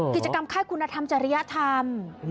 กิจกรรมค่ายกุณฑรรมทะเลียธรรม